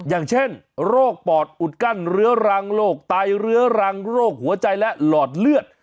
อย่างเช่นโรคปอดอุดกั้นเรื้อรังโรคไตเรื้อรังโรคหัวใจและหลอดเลือด